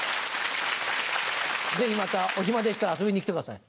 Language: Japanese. ぜひまたお暇でしたら遊びに来てください。